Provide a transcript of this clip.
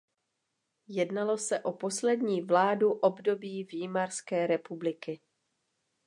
Jednalo se o poslední vládu období Výmarské republiky.